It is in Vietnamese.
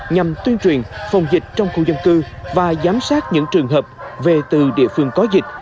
nhằm tuyên truyền phòng dịch trong khu dân cư và giám sát những trường hợp về từ địa phương có dịch